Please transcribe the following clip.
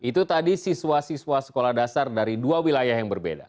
itu tadi siswa siswa sekolah dasar dari dua wilayah yang berbeda